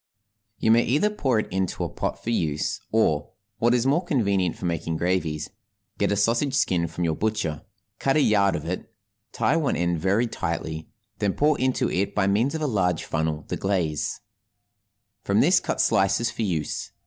You may either pour it into a pot for use, or, what is more convenient for making gravies, get a sausage skin from your butcher, cut a yard of it, tie one end very tightly, then pour into it by means of a large funnel the glaze; from this cut slices for use.